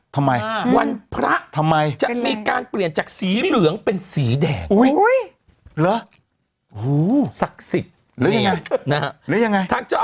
ทำไมวันพระทำไมจะมีการเปลี่ยนจากสีเหลืองเป็นสีแดง